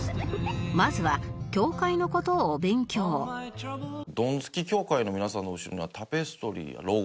まずはドンツキ協会の皆さんの後ろにはタペストリーやロゴ。